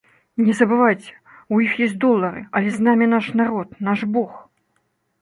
Не забывайце, у іх ёсць долары, але з намі наш народ, наш бог.